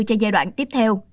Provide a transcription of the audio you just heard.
cho giai đoạn tiếp theo